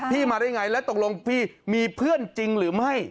มาได้ไงแล้วตกลงพี่มีเพื่อนจริงหรือไม่